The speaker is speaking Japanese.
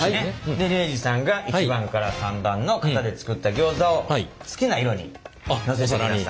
で礼二さんが１番から３番の型で作ったギョーザを好きな色にのせてください。